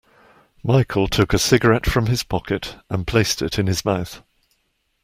Michael took a cigarette from his pocket and placed it in his mouth.